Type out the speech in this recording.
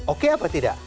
oke apa tidak